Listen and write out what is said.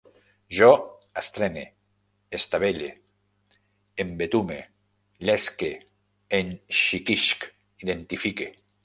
Jo estrene, estavelle, embetume, llesque, enxiquisc, identifique